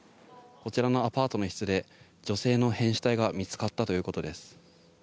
こちらのアパートの一室で女性の変死体が見つかったということです。